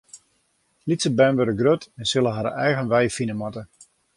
Lytse bern wurde grut en sille har eigen wei fine moatte.